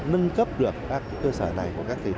nâng cấp được các cơ sở này